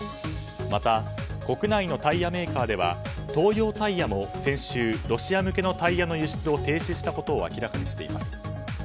また国内のタイヤメーカーではＴＯＹＯＴＩＲＥも先週、ロシア向けのタイヤの輸出を停止したことを明らかにしています。